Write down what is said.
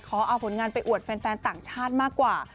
ขอเอาผลงานไปอวดแฟนต่างชาติมากกว่า